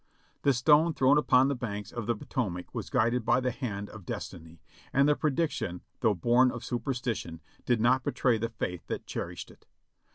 The stone thrown upon the banks of the Potomac was guided by the hand of Destiny, and the prediction, though born of super stition, did not betray the faith that cherished it.